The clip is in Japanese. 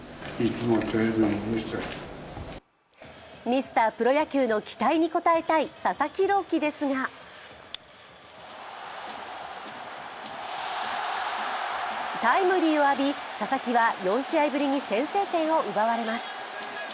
ミスタープロ野球の期待に応えたい佐々木朗希ですがタイムリーを浴び、佐々木は４試合ぶりに先制点を奪われます。